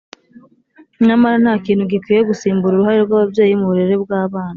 nyamara nta kintu gikwiye gusimbura uruhare rw’ababyeyi mu burere bw’abana